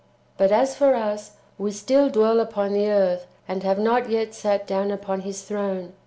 "^ But as for us, we still dwell upon the earth, and have not yet sat down upon His throne.